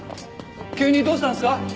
急にどうしたんすか？